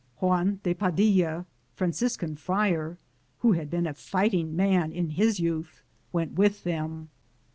Juan de Padilla, & Franciscan friar, who had been a fighting man in his youth, went with them.